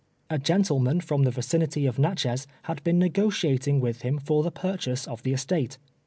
A gentleman from the vicinity of jS'atchez had been negotiating with him for tlie purchase of the estate.